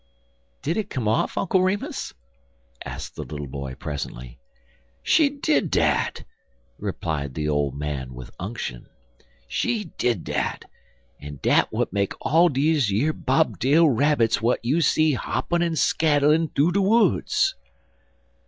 "Did it come off, Uncle Remus?" asked the little boy, presently. "She did dat!" replied the old man with unction. "She did dat, and dat w'at make all deze yer bob tail rabbits w'at you see hoppin' en skaddlin' thoo de woods."